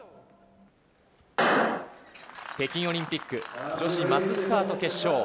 北京オリンピック女子マススタート決勝。